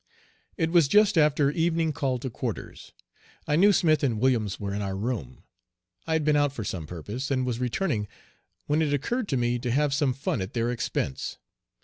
It was just after "evening call to quarters." I knew Smith and Williams were in our room. I had been out for some purpose, and was returning when it occurred to me to have some fun at their expense.